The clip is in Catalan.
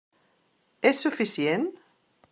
És suficient?